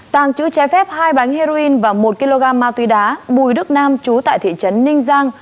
tàng chữ trái phép hai bánh heroin và một kg ma túy đá bùi đức nam chú tại thị trấn ninh giang